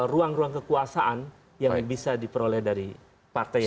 semua kekuasaan yang bisa diperoleh dari partai yang